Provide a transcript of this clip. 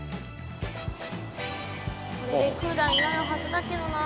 これでクーラーになるはずだけどな。